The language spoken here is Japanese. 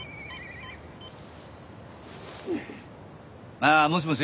ああもしもし？